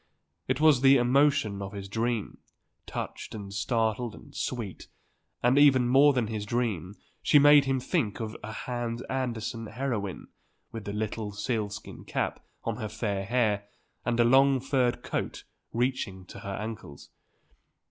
It was the emotion of his dream, touched and startled and sweet, and even more than in his dream she made him think of a Hans Andersen heroine with the little sealskin cap on her fair hair, and a long furred coat reaching to her ankles.